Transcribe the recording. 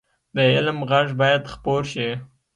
د علم غږ باید خپور شي